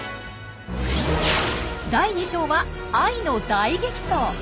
第２章は愛の大激走！